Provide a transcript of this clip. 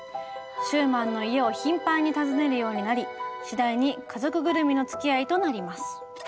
シューマンの家を頻繁に訪ねるようになり次第に家族ぐるみのつきあいとなります。